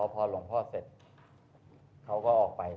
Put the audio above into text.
พอหลวงพ่อเสร็จเขาก็ออกไป